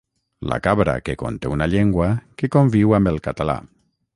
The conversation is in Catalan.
La cabra que conté una llengua que conviu amb el català.